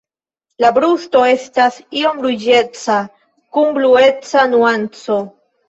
La brusto estas iom ruĝeca kun blueca nuanco.